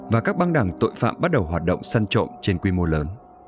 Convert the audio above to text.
và các băng đảng tội phạm bắt đầu hoạt động săn trộm trên quy mô lớn